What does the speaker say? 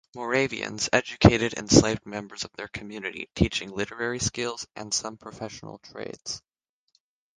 Moravians educated enslaved members of their community, teaching literacy skills and some professional trades.